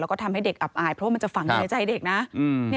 แล้วก็ทำให้เด็กอับอายเพราะว่ามันจะฝังอยู่ในใจเด็กนะ